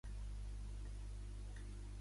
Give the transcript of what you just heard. Em pot indicar el seu nom i de-ena-i si us plau?